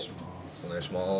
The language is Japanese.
お願いします。